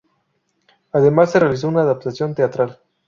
Además se realizó una adaptación teatral.